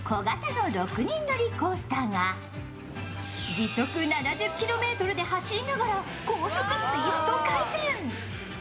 時速７０キロメートルで走りながら高速ツイスト回転。